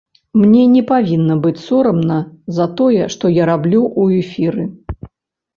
Мне не павінна быць сорамна за тое, што я раблю ў эфіры.